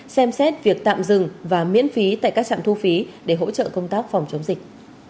xem xét việc tạm dừng và miễn phí tại các trạm thu phí để hỗ trợ công tác phòng chống dịch